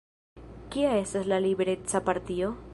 Kia estas la Libereca Partio?